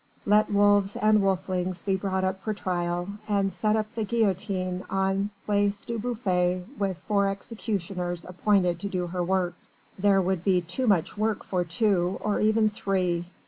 Let wolves and wolflings be brought up for trial, and set up the guillotine on Place du Bouffay with four executioners appointed to do her work. There would be too much work for two, or even three.